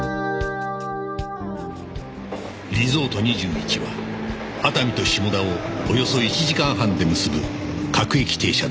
リゾート２１は熱海と下田をおよそ１時間半で結ぶ各駅停車である